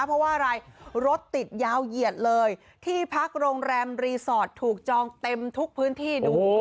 เพราะว่าอะไรรถติดยาวเหยียดเลยที่พักโรงแรมรีสอร์ทถูกจองเต็มทุกพื้นที่ดู